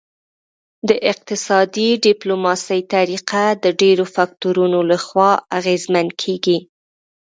د اقتصادي ډیپلوماسي طریقه د ډیرو فکتورونو لخوا اغیزمن کیږي